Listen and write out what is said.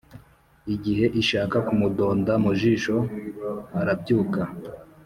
igihe ishaka kumudonda mu jisho arabyuka